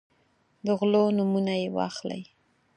د غلو نومونه یې واخلئ.